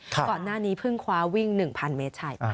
ก่อนหน้านี้เพิ่งคว้าวิ่ง๑๐๐เมตรชาย